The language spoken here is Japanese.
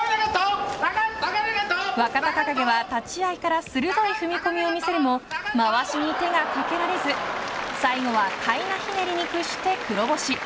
若隆景は立ち合いから鋭い踏み込みを見せるもまわしに手がかけられず最後は腕ひねりに屈して黒星。